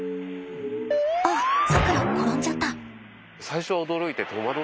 あっさくら転んじゃった。